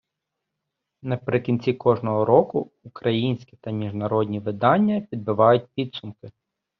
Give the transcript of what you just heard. Наприкінці кожного року українські та міжнародні видання підбивають підсумки.